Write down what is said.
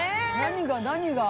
何が？